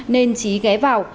nên trí ghé vào